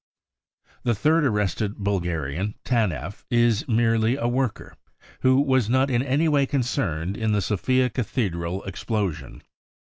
The third arrested Bulgarian, TanefF, is merely a worker , who was not in any way concerned in the Sofia cathedral explosion.